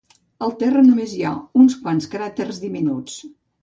Al terra només hi ha uns quants cràters diminuts.